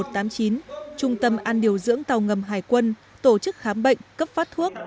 trung tâm an điều dưỡng tàu ngầm hải quân tổ chức khám bệnh cấp phát thuốc